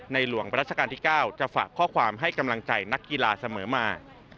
หลวงรัชกาลที่๙จะฝากข้อความให้กำลังใจนักกีฬาเสมอมา